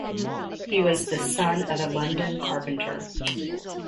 He was the son of a London carpenter.